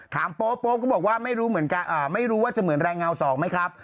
ถามโป๊ปก็บอกว่าไม่รู้ว่าจะเหมือนแรงเงา๒ไหมครับ